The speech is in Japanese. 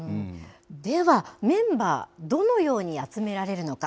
では、メンバー、どのように集められるのか。